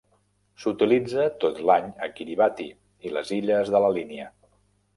S'utilitza tot l'any a Kiribati i les Illes de la Línia.